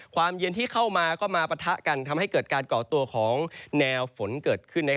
ความเย็นที่เข้ามาก็มาปะทะกันทำให้เกิดการก่อตัวของแนวฝนเกิดขึ้น